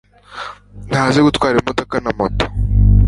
Ntazi gutwara imodoka na moto